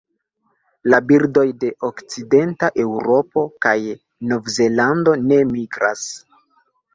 La birdoj de okcidenta Eŭropo kaj Novzelando ne migras.